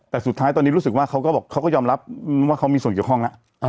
แต่สุดท้ายตอนนี้รู้สึกว่าเขาก็ยอมรับว่าเขามีส่วนเกี่ยวข้อง